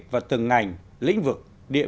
và từng ngành lĩnh vực